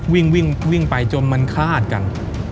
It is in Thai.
วิ่งไปจนมันคาดกัน